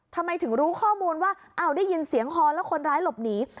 ทำไมถึงรู้ข้อมูลว่าอ้าวได้ยินเสียงฮอนแล้วคนร้ายหลบหนี